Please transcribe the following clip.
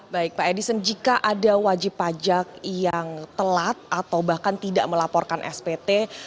baik pak edison jika ada wajib pajak yang telat atau bahkan tidak melaporkan spt